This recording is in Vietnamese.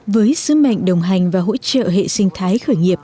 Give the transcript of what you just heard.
với sứ mệnh đồng hành và hỗ trợ hệ sinh thái khởi nghiệp